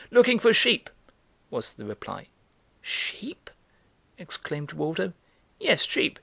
"Looking for sheep," was the reply. "Sheep?" exclaimed Waldo. "Yes, sheep.